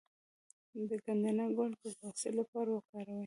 د ګندنه ګل د بواسیر لپاره وکاروئ